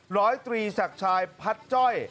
ร้อยตรีศักดิ์ชายพัดจ้อย